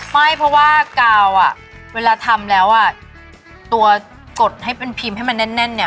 ไม่เพราะว่ากาวอ่ะเวลาทำแล้วอ่ะตัวกดให้เป็นพิมพ์ให้มันแน่นเนี่ย